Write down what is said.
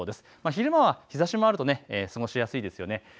昼間は日ざしもあると過ごしやすいですよね。